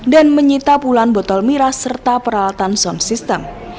dan menyita puluhan botol miras serta peralatan sound system